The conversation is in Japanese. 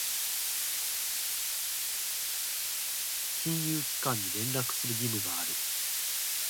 金融機関に連絡する義務がある。